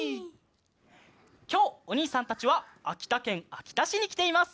きょうおにいさんたちはあきたけんあきたしにきています。